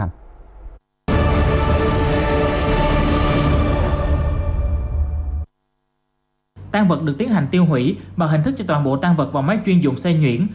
tăng vật được tiến hành tiêu hủy bằng hình thức cho toàn bộ tan vật và máy chuyên dụng xe nhuyễn